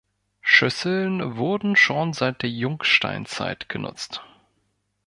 Schüsseln wurden schon seit der Jungsteinzeit genutzt.